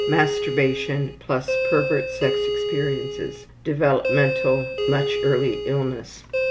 Masturbation plus. Pervert sex experiences. Developmental: Much early illness.